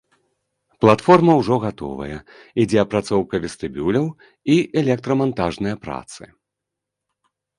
Платформа ўжо гатовая, ідзе апрацоўка вестыбюляў і электрамантажныя працы.